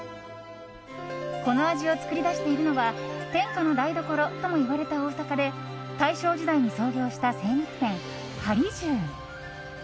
この味を作り出しているのは天下の台所ともいわれた大阪で大正時代に創業した精肉店はり重。